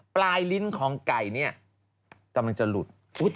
ปลายลิ้นของไก่กำลังจะหลุด